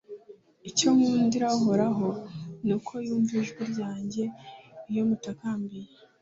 icyo nkundira uhoraho, ni uko yumva ijwi ryanjye iyo mutakambiye